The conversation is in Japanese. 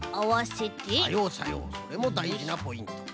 さようさようそれもだいじなポイント。